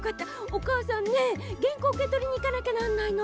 おかあさんねげんこううけとりにいかなきゃなんないの。